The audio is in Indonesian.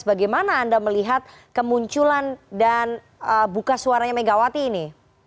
bagaimana anda melihat kemunculan dan buka suaranya megawati ini